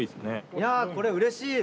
いやこれうれしい！